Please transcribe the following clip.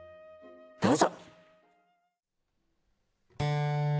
どうぞ。